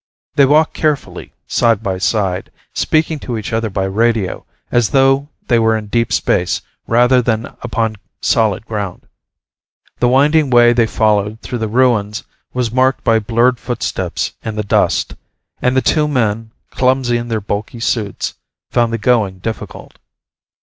They walked carefully, side by side, speaking to each other by radio as though they were in deep space rather than upon solid ground. The winding way they followed through the ruins was marked by blurred footsteps in the dust and the two men, clumsy in their bulky suits, found the going difficult.